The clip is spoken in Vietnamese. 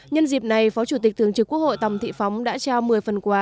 nhân dịp này phó chủ tịch thường trực quốc hội tòng thị phóng đã trao một mươi phần quà